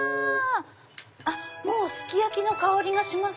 もうすき焼きの香りがします。